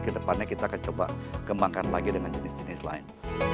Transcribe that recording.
kedepannya kita akan coba kembangkan lagi dengan jenis jenis lain